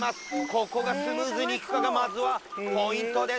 ここがスムーズにいくかがまずはポイントです